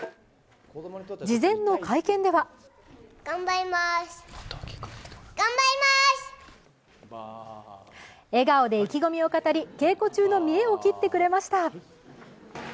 事前の会見では笑顔で意気込みをかたり、稽古中の見得を切ってくれました。